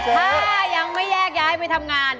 ถ้ายังไม่แยกย้ายไปทำงาน